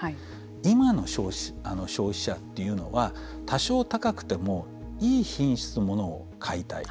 今の消費者というのは多少高くてもいい品質の物を買いたい。